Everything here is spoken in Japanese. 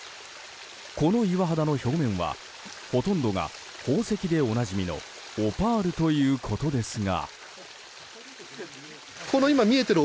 この岩肌の表面はほとんどが宝石でおなじみのオパールということですが。